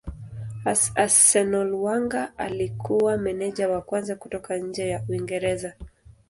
Arsenal Wenger alikuwa meneja wa kwanza kutoka nje ya Uingereza.